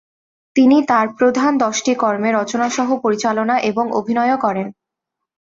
তিনি তার প্রধান দশটি কর্মে রচনাসহ পরিচালনা এবং অভিনয়ও করেন।